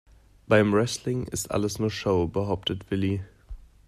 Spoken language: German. "Beim Wrestling ist alles nur Show", behauptet Willi.